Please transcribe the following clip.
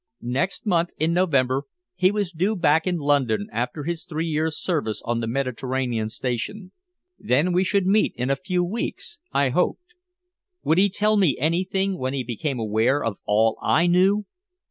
Next month, in November, he was due back in London after his three years' service on the Mediterranean station. Then we should meet in a few weeks I hoped. Would he tell me anything when he became aware of all I knew?